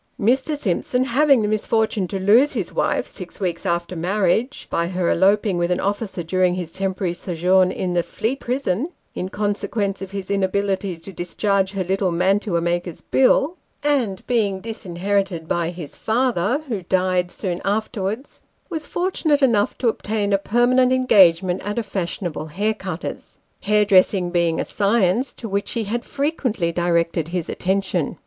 Mr. Simp son, having the misfortune to lose his wife six weeks after marriage (by her eloping with an officer during his temporary sojourn in the Fleet Prison, in consequence of his inability to discharge her little mantua maker's bill), and being disinherited by his father, who died soon afterwards, was fortunate enough to obtain a permanent engage ment at a fashionable haircutter's ; hairdressing being a science to which he had frequently directed his attention.